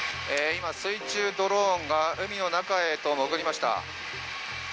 今、水中ドローンが海の中へと潜りました。